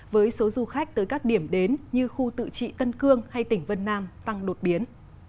với số du khách tới các điểm đến như khu tự trị tân cương hay tỉnh vân nam tăng đột biến